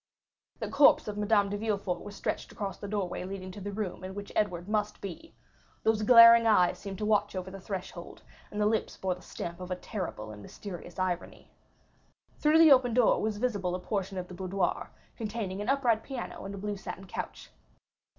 The corpse of Madame de Villefort was stretched across the doorway leading to the room in which Edward must be; those glaring eyes seemed to watch over the threshold, and the lips bore the stamp of a terrible and mysterious irony. Through the open door was visible a portion of the boudoir, containing an upright piano and a blue satin couch.